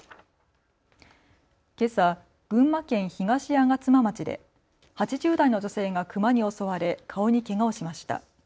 けさ群馬県東吾妻町で８０代の女性がクマに襲われ顔にけがをしました。